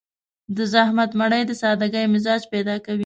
د زحمت مړۍ د سادهګي مزاج پيدا کوي.